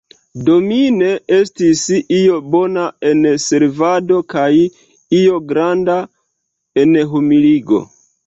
Domin, estis io bona en servado kaj io granda en humiligo.